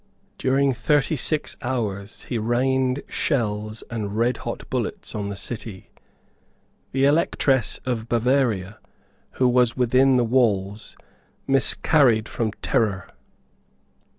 During thirty six hours he rained shells and redhot bullets on the city. The Electress of Bavaria, who was within the walls, miscarried from terror.